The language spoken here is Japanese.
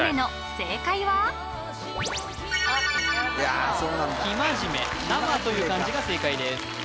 生真面目「生」という漢字が正解です